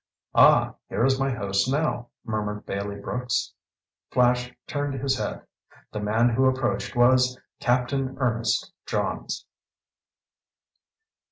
"Ah, here is my host now," murmured Bailey Brooks. Flash turned his head. The man who approached was Captain Ernest Johns.